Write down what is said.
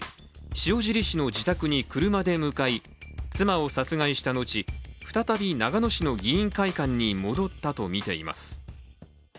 塩尻市の自宅に車で向かい妻を殺害したのち、再び長野市の議員会館に戻ったとみています。